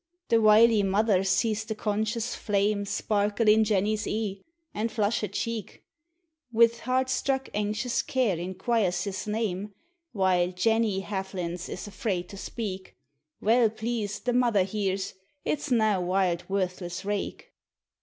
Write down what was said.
The wily mother sees the conscious flame Sparkle in Jenny's e'e, and flush her cheek; Wi' heart struck anxious care inquires his name, While Jenny haftlins f is afraid to speak ; Weel pleased the mother hears it 's nae wild, worthless rake.